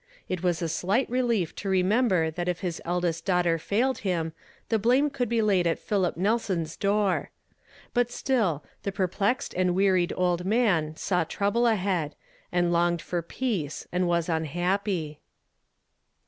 It was a slight relief to remember that if his eldest daughter failed him, the blame could be laid at Philip Nelson's door; but still, the perplexed and wearied old man saw trouble ahead, and longed for peace, and was unhappy.